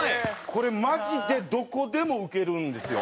これマジでどこでもウケるんですよ。